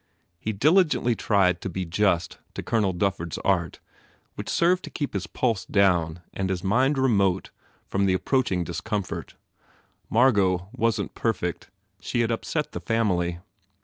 He dili gently tried to be just to Colonel Dufford s art which served to keep his pulse down and his mind remote from the approaching discomfort. Mar got wasn t perfect. She had upset the family.